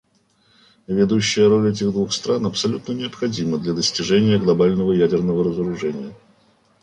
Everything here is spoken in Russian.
Ведущая роль этих двух стран абсолютно необходима для достижения глобального ядерного разоружения.